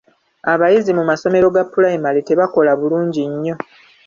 Abayizi mu masomero ga pulayimale tebakola bulungi nnyo.